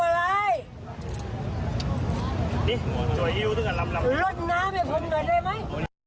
ใครใครใคร